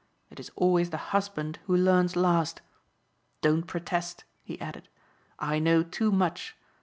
"It is always the husband who learns last. Don't protest," he added. "I know too much.